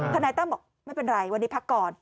นายตั้มบอกไม่เป็นไรวันนี้พักก่อน